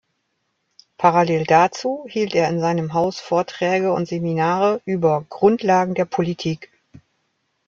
Parallel dazu hielt er in seinem Haus Vorträge und Seminare über „Grundlagen der Politik“.